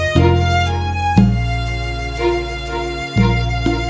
สวัสดีค่ะ